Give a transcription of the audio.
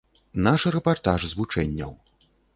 Наш рэпартаж з вучэнняў.